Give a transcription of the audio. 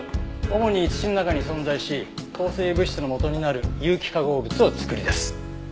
主に土の中に存在し抗生物質のもとになる有機化合物を作り出す。